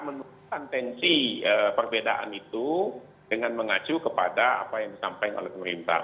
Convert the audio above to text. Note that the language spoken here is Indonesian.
menurunkan tensi perbedaan itu dengan mengacu kepada apa yang disampaikan oleh pemerintah